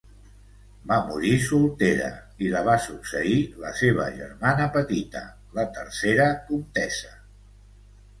Va morir soltera i la va succeir la seva germana petita, la tercera comtessa.